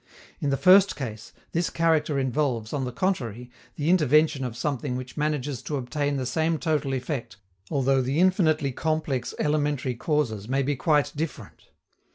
In the first case, this character involves, on the contrary, the intervention of something which manages to obtain the same total effect although the infinitely complex elementary causes may be quite different.